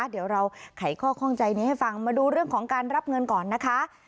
เดี๋ยวเราไขข้อข้องใจนี้ให้ฟังมาดูเรื่องของการรับเงินก่อนนะคะ